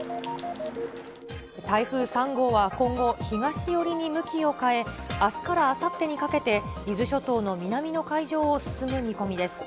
台風３号は今後、東寄りに向きを変え、あすからあさってにかけて、伊豆諸島の南の海上を進む見込みです。